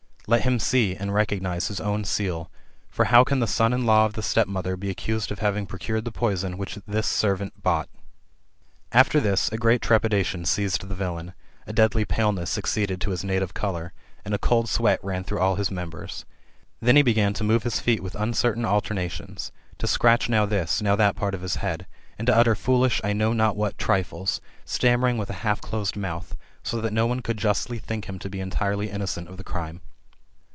Let him see, and recognise his own seal. For how can the son in law of the stepmother be accused of having procured the poison which this servant bought ?" After this, a great trepidation seized the villain ; a deadly paleness succeeded to his native colour ; and a cold sweat mp through all his members. Then he began to move his feet wiA uncertain alternations ; to scratch now this, now that pait of bk head; and to utter foolishly I know not what triflesi stammering with a half dosed mouth; so that no one could justly think him to be entitely innocent of the crime.